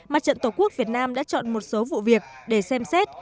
mặt trận tổ quốc việt nam đã chọn một số vụ việc để xem xét